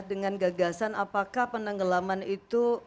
dengan gagasan apakah penenggelaman itu